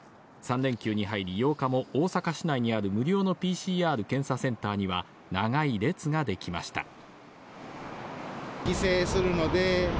３連休に入り８日も大阪市内にある無料のＰＣＲ検査センターには長い列ができました。